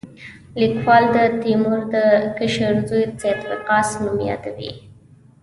لیکوال د تیمور د کشر زوی سعد وقاص نوم یادوي.